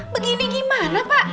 begini gimana pak